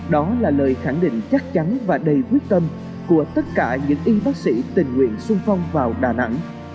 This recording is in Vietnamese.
đó là lời khẳng định chắc chắn và đầy quyết tâm của tất cả những y bác sĩ tình nguyện sung phong vào đà nẵng